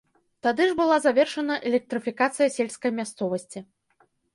Тады ж была завершана электрыфікацыя сельскай мясцовасці.